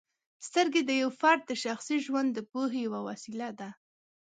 سترګې د یو فرد د شخصي ژوند د پوهې یوه وسیله ده.